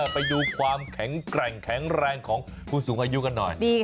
ไปดูความแข็งแรงของพูดสูงอายุกันหน่อย